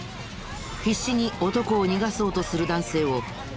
必死に男を逃がそうとする男性を捜査員が制止。